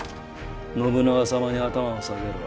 信長様に頭を下げろ。